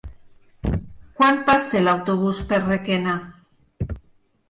Quan passa l'autobús per Requena?